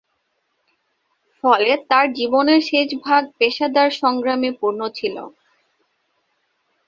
ফলে তার জীবনের শেষভাগ পেশাদার সংগ্রামে পূর্ণ ছিল।